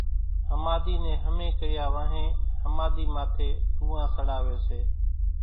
ۿماۮِي نين ۿمي ڪريا وانھين ۿماۮي ماٿي ٽوئان سڙاوي سي